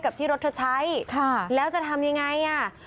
กับที่รถเธอใช้แล้วจะทำอย่างไรน่ะค่ะค่ะ